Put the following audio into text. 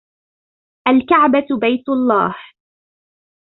الكعبة بيت اللَّه.